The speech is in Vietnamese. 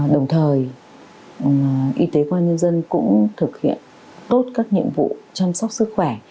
đồng thời y tế công an nhân dân cũng thực hiện tốt các nhiệm vụ chăm sóc sức khỏe